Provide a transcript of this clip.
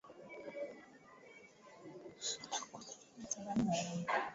matilioni ya dola ambayo yanahitajika ni kati ya tilioni tatu hadi tano